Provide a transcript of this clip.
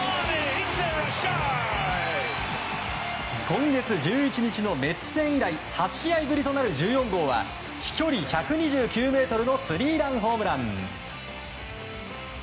今月１１日のメッツ戦以来８試合ぶりとなる１４号は飛距離１２９ｍのスリーランホームラン。